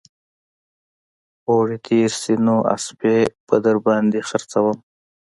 اوړي تېر شي نو اسپې به در باندې خرڅوم